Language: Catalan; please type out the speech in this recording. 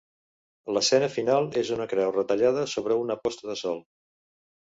L'escena final és una creu retallada sobre una posta de sol.